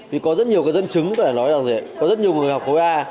vì có rất nhiều cái dân chứng có thể nói rằng gì có rất nhiều người học khối a